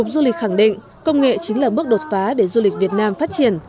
du lịch khẳng định công nghệ chính là bước đột phá để du lịch việt nam phát triển